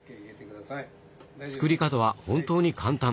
作り方は本当に簡単。